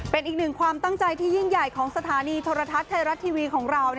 เป็นอีกหนึ่งความตั้งใจที่ยิ่งใหญ่ของสถานีโทรทัศน์ไทยรัฐทีวีของเรา